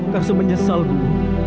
karso menyesal bu